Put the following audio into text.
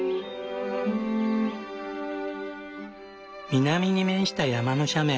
南に面した山の斜面。